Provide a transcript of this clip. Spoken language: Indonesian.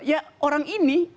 ya orang ini